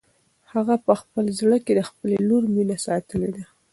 هغه په خپل زړه کې د خپلې لور مینه ساتلې ده.